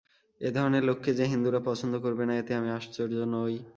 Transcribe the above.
এ-ধরনের লোককে যে হিন্দুরা পছন্দ করবে না, এতে আমি আশ্চর্য নই।